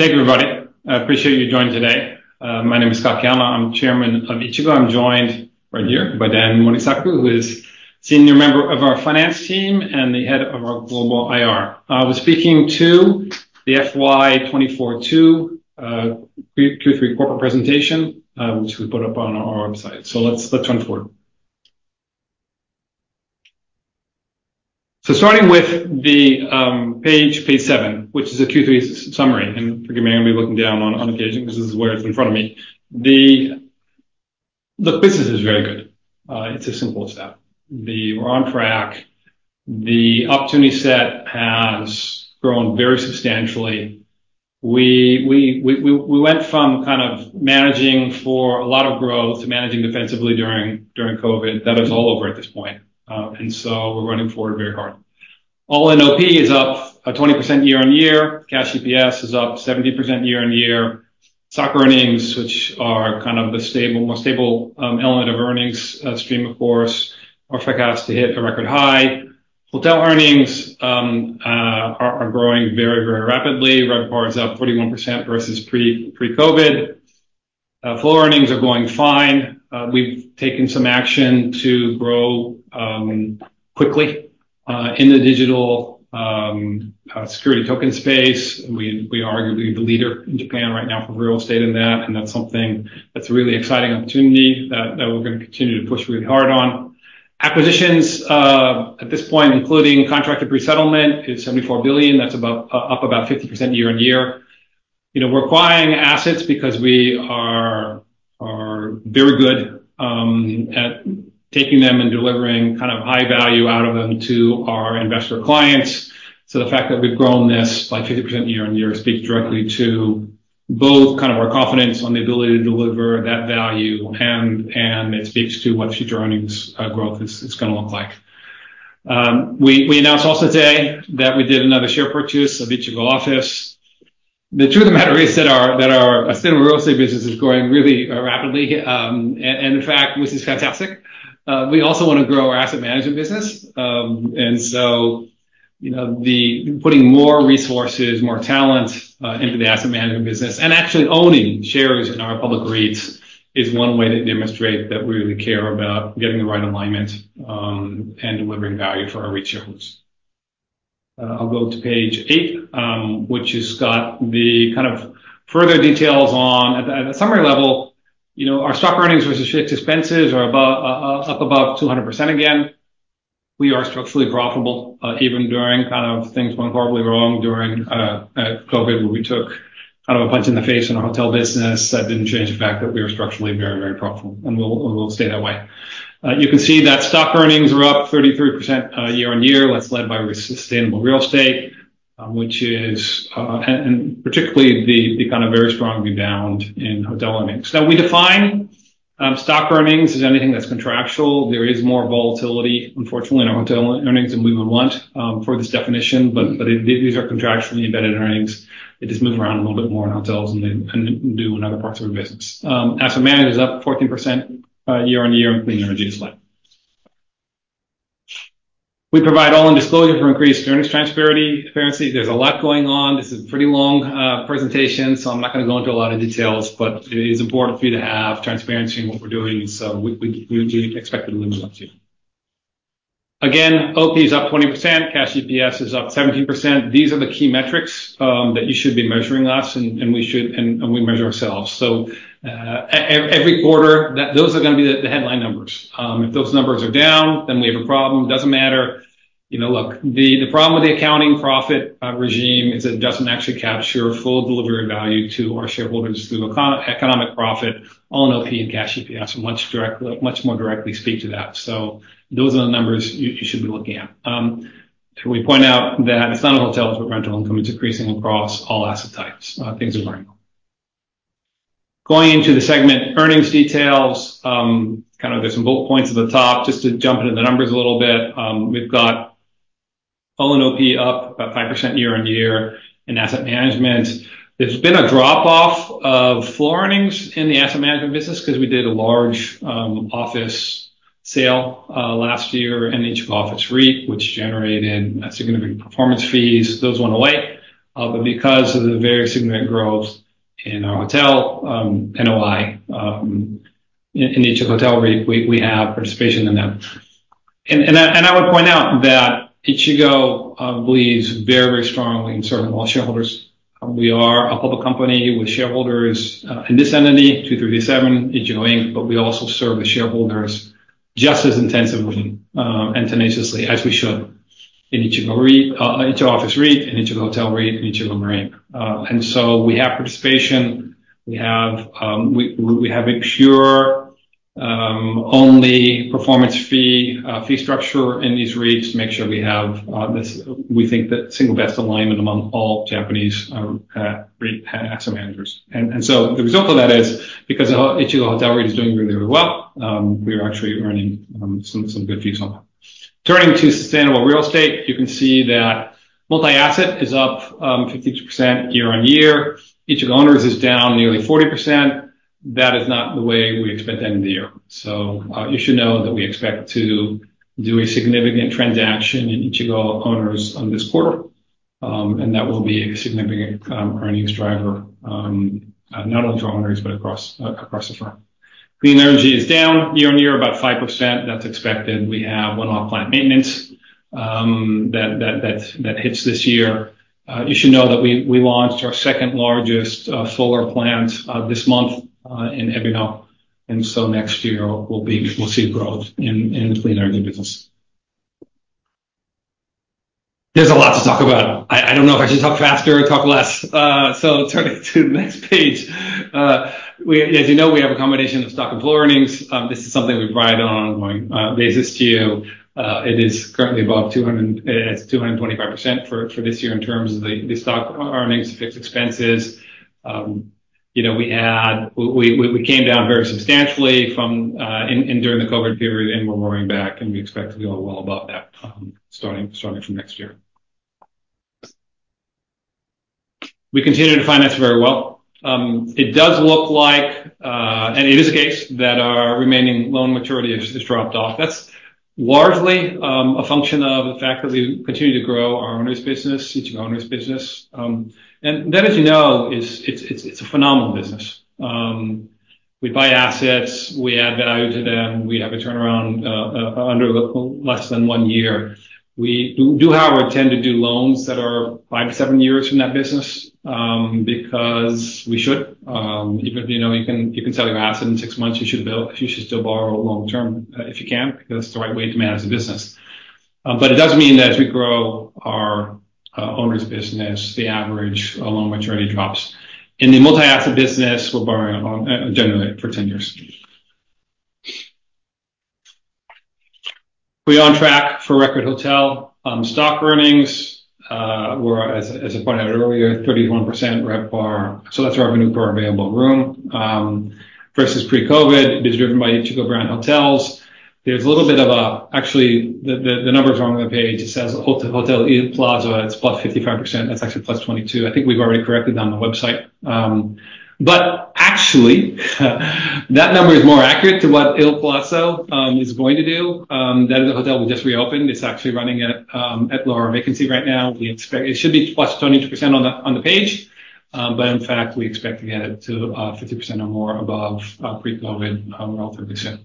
Thank you, everybody. I appreciate you joining today. My name is Scott Callon. I'm Chairman of Ichigo. I'm joined right here by Dan Morisaku, who is senior member of our finance team and the head of our global IR. We're speaking to the FY 2024 Q2, uh, Q3 corporate presentation, which we put up on our website. So let's run forward. So starting with the page seven, which is a Q3 summary, and forgive me, I'm gonna be looking down on occasion because this is where it's in front of me. The business is very good. It's as simple as that. We're on track. The opportunity set has grown very substantially. We went from kind of managing for a lot of growth to managing defensively during COVID. That is all over at this point. And so we're running forward very hard. All-in OP is up 20% year-on-year. Cash EPS is up 70% year-on-year. Stock earnings, which are kind of the stable, more stable element of earnings stream, of course, are forecast to hit a record high. Hotel earnings are growing very, very rapidly. RevPAR is up 41% versus pre-COVID. Floor earnings are going fine. We've taken some action to grow quickly in the digital security token space. We are arguably the leader in Japan right now for real estate in that, and that's something that's a really exciting opportunity that we're going to continue to push really hard on. Acquisitions at this point, including contracted pre-settlement, is 74 billion. That's about up about 50% year-on-year. You know, we're acquiring assets because we are very good at taking them and delivering kind of high value out of them to our investor clients. So the fact that we've grown this by 50% year-on-year speaks directly to both kind of our confidence on the ability to deliver that value, and it speaks to what future earnings growth is gonna look like. We announced also today that we did another share purchase of Ichigo Office. The truth of the matter is that our sustainable real estate business is growing really rapidly, and in fact, which is fantastic. We also want to grow our asset management business. And so, you know, the putting more resources, more talent, into the asset management business and actually owning shares in our public REITs is one way to demonstrate that we really care about getting the right alignment, and delivering value for our REIT shareholders. I'll go to page eight, which has got the kind of further details on. At the summary level, you know, our stock earnings versus fixed expenses are above, up above 200% again. We are structurally profitable, even during kind of things went horribly wrong during COVID, where we took kind of a punch in the face in our hotel business. That didn't change the fact that we were structurally very, very profitable, and we'll stay that way. You can see that stock earnings are up 33%, year-on-year. That's led by sustainable real estate, which is, and particularly the kind of very strong rebound in hotel earnings. Now, we define stock earnings as anything that's contractual. There is more volatility, unfortunately, in our hotel earnings than we would want for this definition, but it, these are contractually embedded earnings. They just move around a little bit more in hotels than they do in other parts of our business. Asset management is up 14%, year-on-year in clean energy as well. We provide all-in disclosure for increased earnings transparency. There's a lot going on. This is a pretty long presentation, so I'm not going to go into a lot of details, but it is important for you to have transparency in what we're doing, so we do expect to live up to you. Again, OP is up 20%. Cash EPS is up 17%. These are the key metrics that you should be measuring us, and we should, and we measure ourselves. So every quarter, those are gonna be the headline numbers. If those numbers are down, then we have a problem. Doesn't matter. You know, look, the problem with the accounting profit regime is it doesn't actually capture full delivery value to our shareholders through economic profit on OP and Cash EPS much more directly speak to that. So those are the numbers you, you should be looking at. We point out that it's not in hotels, but rental income is decreasing across all asset types. Things are going on. Going into the segment earnings details, kind of there's some bullet points at the top. Just to jump into the numbers a little bit, we've got all-in OP up about 5% year-on-year in asset management. There's been a drop-off of floor earnings in the asset management business because we did a large, office sale, last year in Ichigo Office REIT, which generated significant performance fees. Those went away, but because of the very significant growth in our hotel NOI, in Ichigo Hotel REIT, we, we have participation in them. I would point out that Ichigo believes very, very strongly in serving all shareholders. We are a public company with shareholders in this entity, 2337 Ichigo Inc., but we also serve the shareholders just as intensively and tenaciously as we should in Ichigo REIT, Ichigo Office REIT, in Ichigo Hotel REIT, and Ichigo Marine. So we have participation. We have a pure only performance fee fee structure in these REITs to make sure we have this, we think, the single best alignment among all Japanese REIT asset managers. So the result of that is because Ichigo Hotel REIT is doing really, really well, we are actually earning some good fees on that. Turning to sustainable real estate, you can see that multi-asset is up 52% year-on-year. Ichigo Owners is down nearly 40%. That is not the way we expect to end the year. So you should know that we expect to do a significant transaction in Ichigo Owners on this quarter, and that will be a significant earnings driver, not only for our owners, but across the firm. Clean energy is down year-on-year, about 5%. That's expected. We have one-off plant maintenance that hits this year. You should know that we launched our second-largest solar plant this month in Ebino, and so next year we'll see growth in the clean energy business. There's a lot to talk about. I don't know if I should talk faster or talk less. So turning to the next page. As you know, we have a combination of stock and floor earnings. This is something we provide on an ongoing basis to you. It is currently above 200%, It's 225% for this year in terms of the stock earnings to fixed expenses. You know, we came down very substantially during the COVID period, and we're roaring back, and we expect to go well above that, starting from next year. We continue to finance very well. It does look like, and it is the case, that our remaining loan maturity has dropped off. That's largely a function of the fact that we continue to grow our Owners business, Ichigo Owners business. And that, as you know, it's a phenomenal business. We buy assets, we add value to them, we have a turnaround under less than one year. We do, however, tend to do loans that are five to seven years from that business, because we should. Even if, you know, you can sell your asset in six months, you should still borrow long term, if you can, because it's the right way to manage the business. But it does mean that as we grow our Owners business, the average loan maturity drops. In the multi-asset business, we're borrowing on generally for 10 years. We're on track for record hotel. Stock earnings were as I pointed out earlier, 31% RevPAR, so that's our revenue per available room versus pre-COVID. It is driven by Ichigo brand hotels. There's a little bit of, actually, the number is wrong on the page. It says Hotel Il Palazzo, it's +55%. That's actually +22%. I think we've already corrected that on the website. But actually, that number is more accurate to what Il Palazzo is going to do. That is the hotel we just reopened. It's actually running at lower vacancy right now. We expect it should be +22% on the page, but in fact, we expect to get it to 50% or more above pre-COVID, well, 30%.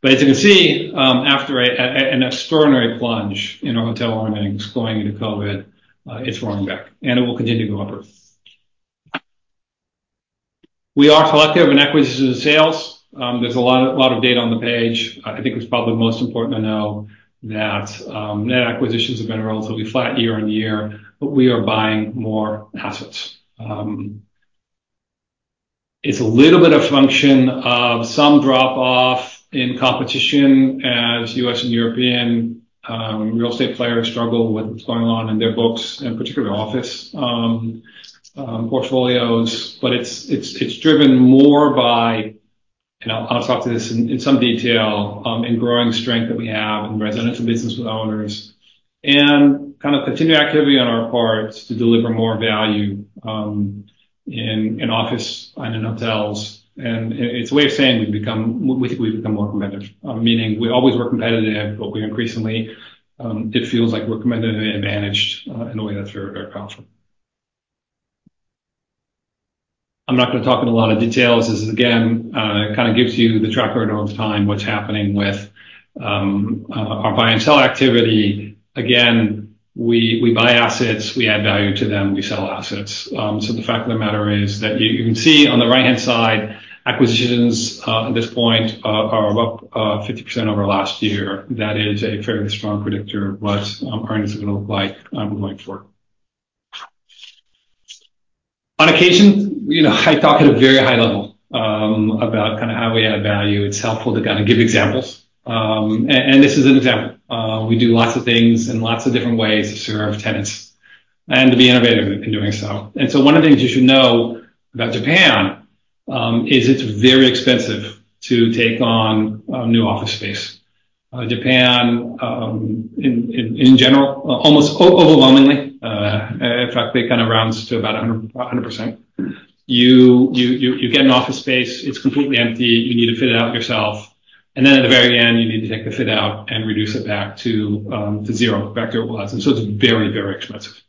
But as you can see, after an extraordinary plunge in our hotel earnings going into COVID, it's roaring back, and it will continue to go upwards. We are selective in acquisitions and sales. There's a lot of data on the page. I think what's probably most important to know that, net acquisitions have been relatively flat year-over-year, but we are buying more assets. It's a little bit of function of some drop-off in competition as U.S. and European real estate players struggle with what's going on in their books, and particularly office portfolios. But it's driven more by, and I'll talk to this in some detail, in growing strength that we have in residential business with owners, and kind of continued activity on our part to deliver more value, in office and in hotels. It's a way of saying we've become more competitive. Meaning we always were competitive, but we increasingly, it feels like we're competitive and advantaged in a way that's very, very powerful. I'm not going to talk in a lot of details. This is again kind of gives you the tracker over time, what's happening with our buy and sell activity. Again, we buy assets, we add value to them, we sell assets. So the fact of the matter is that you can see on the right-hand side, acquisitions, at this point, are up 50% over last year. That is a fairly strong predictor of what earnings are going to look like going forward. On occasion, you know, I talk at a very high level about kind of how we add value. It's helpful to kind of give examples. This is an example. We do lots of things in lots of different ways to serve our tenants and to be innovative in doing so. And so one of the things you should know about Japan is it's very expensive to take on new office space. Japan, in general, almost overwhelmingly, in fact, it kind of rounds to about 100, 100%. You get an office space, it's completely empty, you need to fit it out yourself, and then at the very end, you need to take the fit out and reduce it back to zero, back to your glass. And so it's very, very expensive.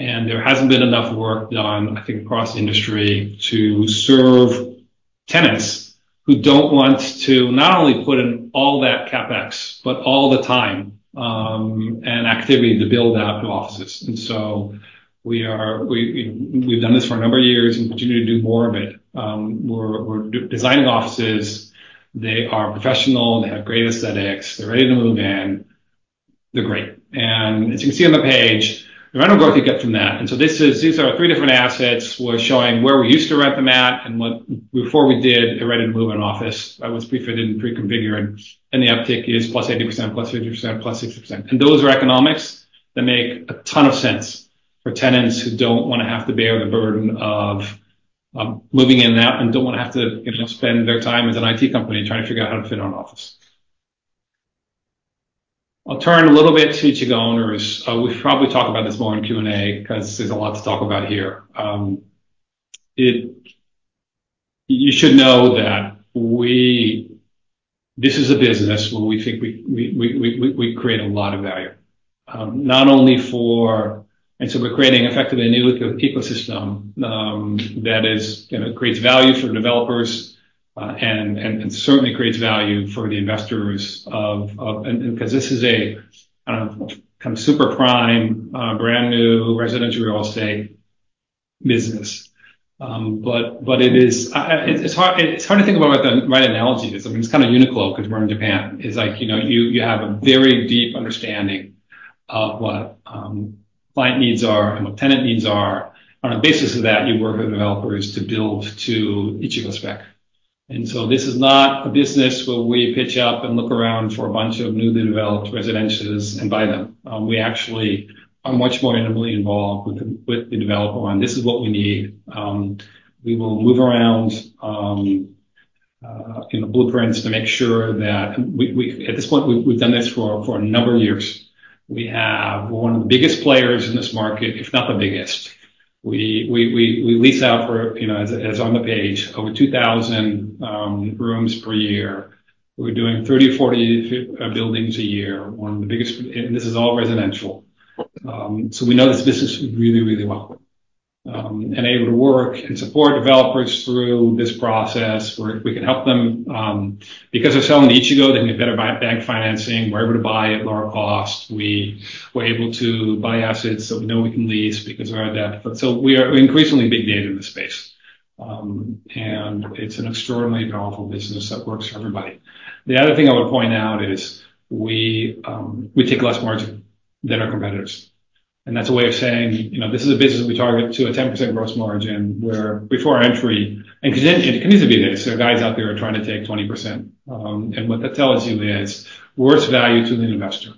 And there hasn't been enough work done, I think, across the industry, to serve tenants who don't want to not only put in all that CapEx, but all the time and activity to build out new offices. And so we are. We've done this for a number of years and continue to do more of it. We're designing offices. They are professional, they have great aesthetics, they're ready to move in, they're great. And as you can see on the page, the rental growth you get from that. These are three different assets. We're showing where we used to rent them at and what before we did a ready-to-move-in office that was pre-fitted and pre-configured, and the uptick is +80%, +50%, +60%. And those are economics that make a ton of sense for tenants who don't want to have to bear the burden of moving in and out, and don't want to have to, you know, spend their time with an IT company trying to figure out how to fit an office. I'll turn a little bit to Ichigo Owners. We should probably talk about this more in Q&A because there's a lot to talk about here. You should know that we—this is a business where we think we create a lot of value. Not only for and so we're creating effectively a new ecosystem that is, you know, creates value for developers and certainly creates value for the investors of, and because this is a super prime brand-new residential real estate business. But it is it's hard to think about what the right analogy is. I mean, it's kind of UNIQLO because we're in Japan. It's like, you know, you have a very deep understanding of what client needs are and what tenant needs are. On the basis of that, you work with developers to build to Ichigo spec. And so this is not a business where we pitch up and look around for a bunch of newly developed residences and buy them. We actually are much more intimately involved with the developer, and this is what we need. We will move around, you know, blueprints to make sure that we, at this point, we've done this for a number of years. We have one of the biggest players in this market, if not the biggest. We lease out for, you know, as on the page, over 2,000 rooms per year. We're doing 30-40 buildings a year, one of the biggest, and this is all residential. So we know this business really, really well. And able to work and support developers through this process, where if we can help them, because they're selling to Ichigo, they can get better bank financing. We're able to buy at lower cost. We were able to buy assets that we know we can lease because we have that. So we are increasingly big data in this space, and it's an extraordinarily powerful business that works for everybody. The other thing I would point out is we, we take less margin than our competitors. And that's a way of saying, you know, this is a business we target to a 10% gross margin, where before our entry, and it can easily be this. There are guys out there who are trying to take 20%. And what that tells you is worse value to the investor.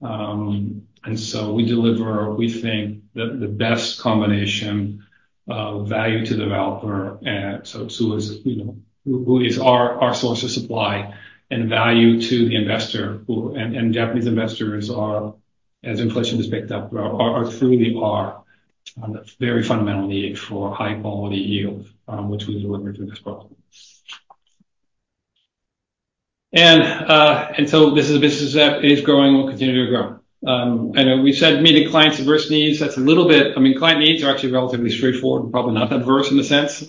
And so we deliver, we think, the best combination of value to the developer, and so to us, you know, who is our source of supply and value to the investor who, and Japanese investors are, as inflation has picked up, truly on a very fundamental need for high-quality yield, which we deliver through this program. And so this is a business that is growing and will continue to grow. And we said, meeting clients' diverse needs, that's a little bit, I mean, client needs are actually relatively straightforward and probably not that diverse in a sense. You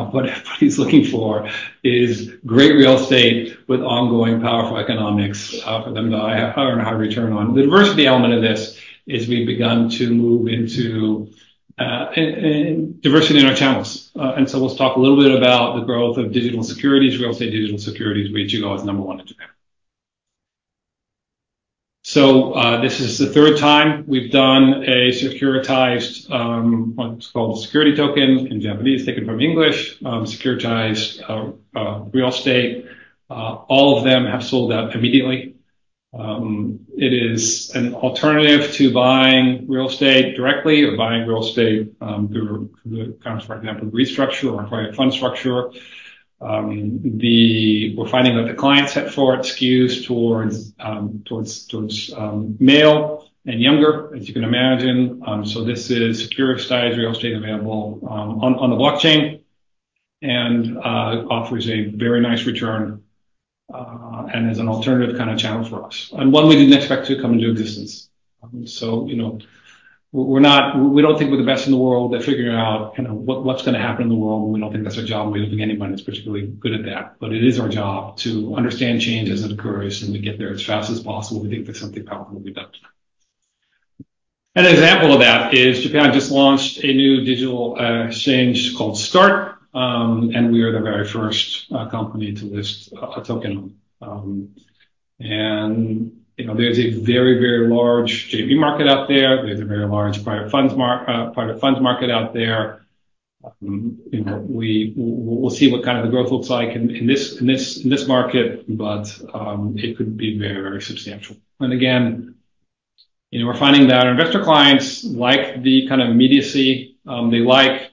know, what everybody's looking for is great real estate with ongoing powerful economics for them to earn a high return on. The diversity element of this is we've begun to move into diversity in our channels. Let's talk a little bit about the growth of digital securities, real estate digital securities, where Ichigo is number one in Japan. This is the third time we've done a securitized, what's called a security token in Japanese, taken from English, securitized real estate. All of them have sold out immediately. It is an alternative to buying real estate directly or buying real estate through, for example, REIT structure or private fund structure. The-- we're finding that the client set for it skews towards male and younger, as you can imagine. So this is securitized real estate available on the blockchain, and offers a very nice return, and is an alternative kind of channel for us, and one we didn't expect to come into existence. So, you know, we're not-- we don't think we're the best in the world at figuring out, you know, what's going to happen in the world, and we don't think that's our job, and we don't think anybody's particularly good at that. But it is our job to understand change as it occurs, and we get there as fast as possible. We think there's something powerful to be done. An example of that is Japan just launched a new digital exchange called START, and we are the very first company to list a token. You know, there's a very, very large JV market out there. There's a very large private funds market out there. You know, we'll see what kind of the growth looks like in this market, but it could be very, very substantial. And again, you know, we're finding that our investor clients like the kind of immediacy they like.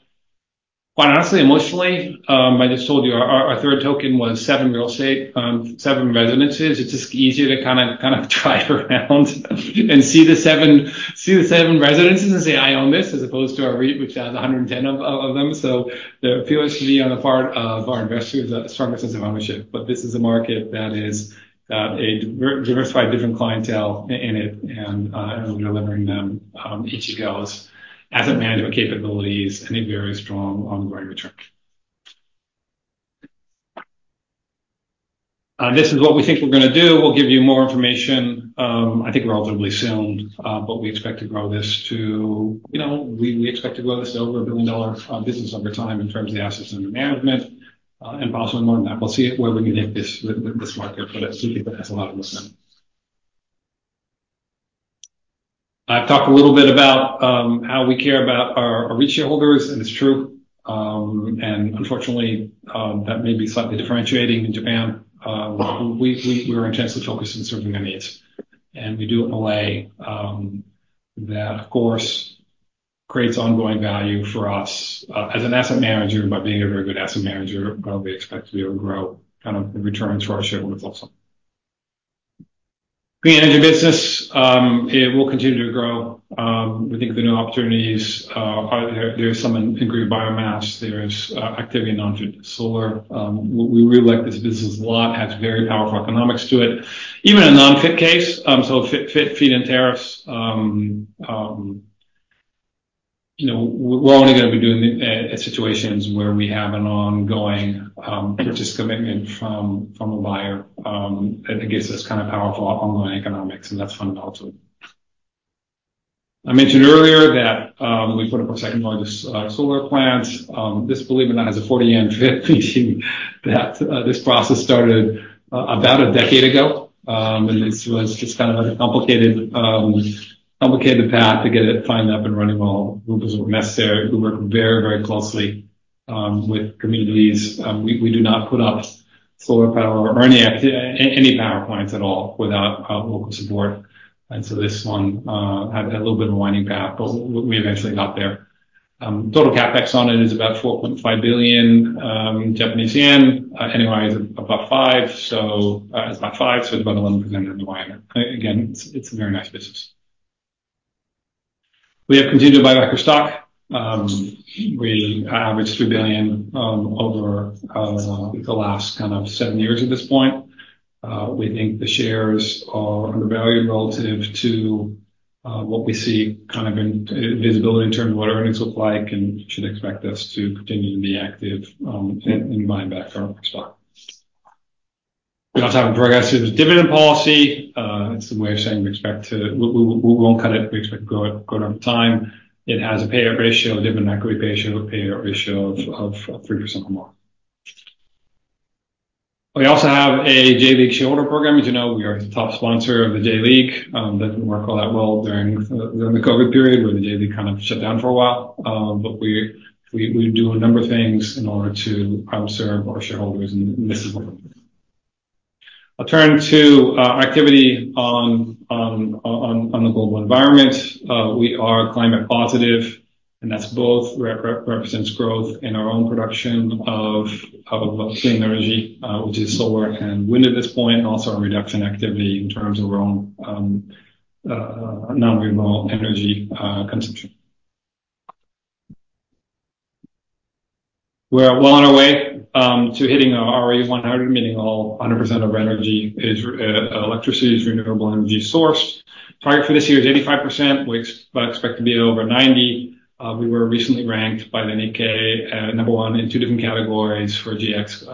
Quite honestly, emotionally, I just told you our third token was seven real estate, seven residences. It's just easier to kind of drive around and see the seven residences and say, "I own this," as opposed to our REIT, which has 110 of them. So the appeal is on the part of our investors, a stronger sense of ownership. But this is a market that is a diversified different clientele in it and we're delivering them Ichigo's asset management capabilities and a very strong ongoing return. This is what we think we're gonna do. We'll give you more information, I think relatively soon. But we expect to grow this to, you know, we expect to grow this to over a $1 billion business over time in terms of the assets under management, and possibly more than that. We'll see where we can take this with this market, but we think it has a lot of potential. I've talked a little bit about how we care about our REIT shareholders, and it's true. And unfortunately, that may be slightly differentiating in Japan. We're intensely focused on serving their needs, and we do it in a way that, of course, creates ongoing value for us as an asset manager. By being a very good asset manager, we expect to be able to grow kind of the returns for our shareholders also. Green energy business, it will continue to grow. We think the new opportunities are there, there is some in green biomass. There is activity in non-FIT solar. We really like this business a lot, has very powerful economics to it, even in a non-FIT case. So FIT, feed-in tariffs, you know, we're only going to be doing it at situations where we have an ongoing purchase commitment from a buyer. It gives us kind of powerful ongoing economics, and that's fundamental to it. I mentioned earlier that, we put up our second-largest solar plant. This, believe it or not, has a 40-year FIT, meaning that, this process started, about a decade ago. And this was just kind of a complicated, complicated path to get it finally up and running while groups were necessary, who worked very, very closely, with communities. We, we do not put up solar power or any power plants at all without, local support. And so this one, had a little bit of a winding path, but we eventually got there. Total CapEx on it is about 4.5 billion Japanese yen. NOI is above five, so, it's about five, so it's about 11% ROI. Again, it's, it's a very nice business. We have continued to buy back our stock. We averaged 3 billion over the last kind of seven years at this point. We think the shares are undervalued relative to what we see kind of in visibility in terms of what earnings look like, and you should expect us to continue to be active in buying back our stock. We also have a progressive dividend policy. It's a way of saying we expect to, we won't cut it. We expect go down over time. It has a payout ratio, dividend equity ratio, payout ratio of 3% or more. We also have a J.League shareholder program. As you know, we are the top sponsor of the J.League. That didn't work all that well during the COVID period, where the J.League kind of shut down for a while. But we do a number of things in order to serve our shareholders, and this is one. I'll turn to activity on the global environment. We are climate positive, and that's both represents growth in our own production of clean energy, which is solar and wind at this point, and also our reduction activity in terms of our own non-renewable energy consumption. We're well on our way to hitting our RE100, meaning all 100% of our energy is electricity is renewable energy source. Target for this year is 85%. We expect to be over 90%. We were recently ranked by the Nikkei at number one in two different categories for GX,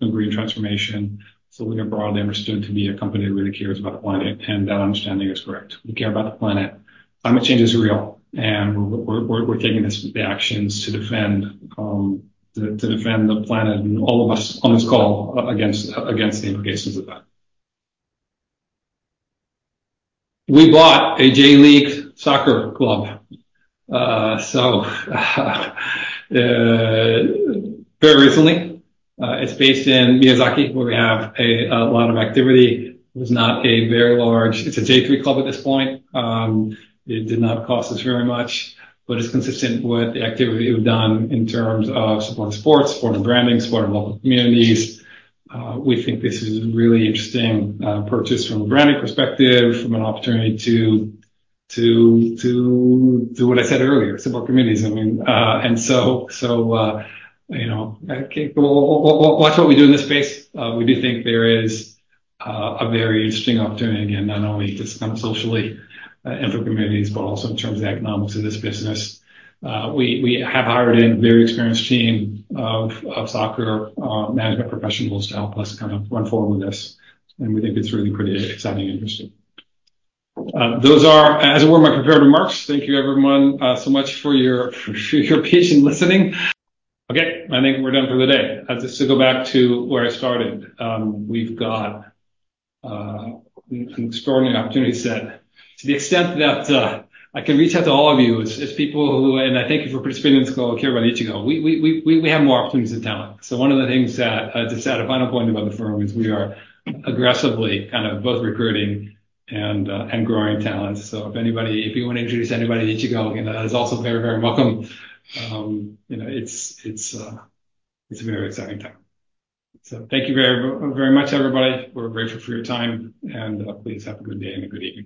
and green transformation. So we are broadly understood to be a company that really cares about the planet, and that understanding is correct. We care about the planet. Climate change is real, and we're taking the actions to defend the planet and all of us on this call against the implications of that. We bought a J.League soccer club very recently. It's based in Miyazaki, where we have a lot of activity. It was not a very large. It's a J3 club at this point. It did not cost us very much, but it's consistent with the activity we've done in terms of supporting sports, sporting branding, sporting local communities. We think this is a really interesting purchase from a branding perspective, from an opportunity to what I said earlier, support communities. I mean, and so, so, you know, okay, watch what we do in this space. We do think there is a very interesting opportunity, again, not only to kind of socially impact communities, but also in terms of the economics of this business. We have hired a very experienced team of soccer management professionals to help us kind of run forward with this, and we think it's really pretty exciting, interesting. Those are, as it were, my prepared remarks. Thank you, everyone, so much for your patient listening. Okay, I think we're done for the day. Just to go back to where I started. We've got an extraordinary opportunity set. To the extent that I can reach out to all of you as people who, and I thank you for participating in this call, care about Ichigo. We have more opportunities than talent. So one of the things that just add a final point about the firm is we are aggressively kind of both recruiting and growing talent. So if anybody, if you want to introduce anybody at Ichigo, again, that is also very, very welcome. You know, it's a very exciting time. So thank you very, very much, everybody. We're grateful for your time, and please have a good day and a good evening.